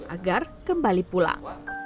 agar kembali pulang